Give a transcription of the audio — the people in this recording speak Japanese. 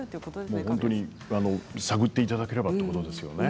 探っていただければということですね。